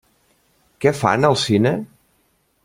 Què fan al cine?